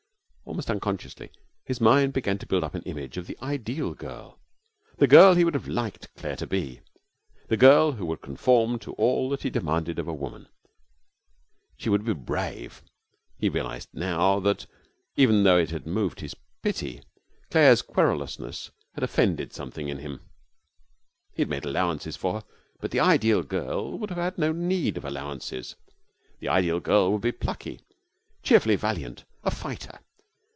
Almost unconsciously his mind began to build up an image of the ideal girl, the girl he would have liked Claire to be, the girl who would conform to all that he demanded of woman. She would be brave. He realized now that, even though it had moved his pity, Claire's querulousness had offended something in him. He had made allowances for her, but the ideal girl would have had no need of allowances. The ideal girl would be plucky, cheerfully valiant, a fighter.